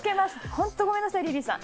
本当ごめんなさいリリーさん。